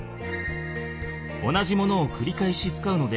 同じものをくり返し使うのでリユース。